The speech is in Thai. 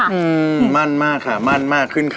อืมมั่นมากค่ะมั่นมากขึ้นค่ะ